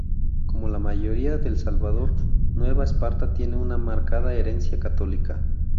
Como la mayoría de El Salvador, Nueva Esparta tiene una marcada herencia Católica.